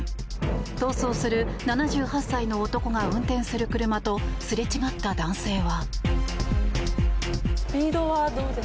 逃走する７８歳の男が運転する車とすれ違った男性は。